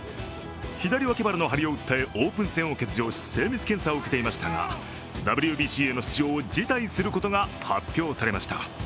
左脇腹の張りを訴え、オープン戦を欠場し、精密検査を受けていましたがＷＢＣへの出場を辞退することが発表されました。